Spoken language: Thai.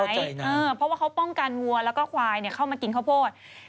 เพราะว่าเขาป้องกันวัวแล้วก็ควายเข้ามากินข้าวโพด